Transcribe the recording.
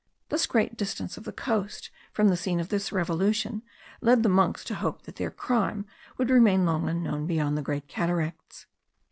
This great distance of the coast from the scene of this revolution led the monks to hope that their crime would remain long unknown beyond the Great Cataracts.